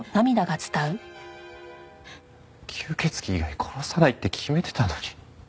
吸血鬼以外殺さないって決めてたのに。